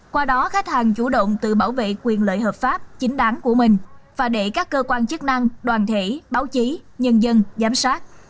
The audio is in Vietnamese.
qua đó khách hàng chủ động tự bảo vệ quyền lợi hợp pháp chính đáng của mình và để các cơ quan chức năng đoàn thể báo chí nhân dân giám sát